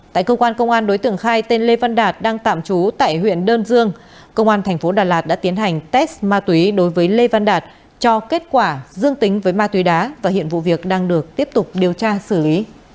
tại cơ quan công an đối tượng khai tên lê văn đạt đang tạm trú tại huyện đơn dương công an thành phố đà lạt đã tiến hành test ma túy đối với lê văn đạt cho kết quả dương tính với ma túy đá và hiện vụ việc đang được tiếp tục điều tra xử lý